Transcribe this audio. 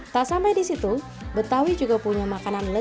tak sampai di situ betawi juga punya makanan lezat dan enak